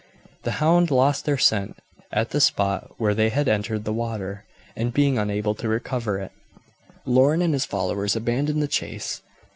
The hound lost their scent at the spot where they had entered the water, and being unable to recover it, Lorne and his followers abandoned the chase.